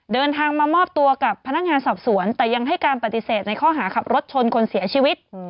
เดินทางมามอบตัวกับพนักงานสอบสวนแต่ยังให้การปฏิเสธในข้อหาขับรถชนคนเสียชีวิต